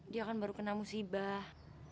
dia kan baru kena musibah